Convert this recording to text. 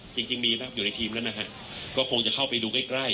จริงมีอยู่ในทีมแล้วนะฮะก็คงจะเข้าไปดูใกล้ใกล้